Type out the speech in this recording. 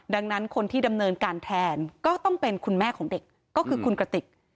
ดังนั้นคนที่ดำเนินการแทนก็ต้องเป็นคุณแม่ของเด็กก็คือคุณกระติก